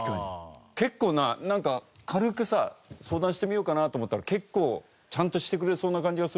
結構なんか軽くさ相談してみようかなと思ったら結構ちゃんとしてくれそうな感じはするけどね。